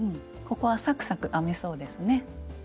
ここはサクサク編めそうですね。